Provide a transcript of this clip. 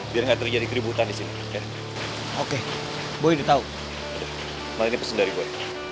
biar enggak terjadi keributan di sini oke gue udah tahu ini pesan dari gue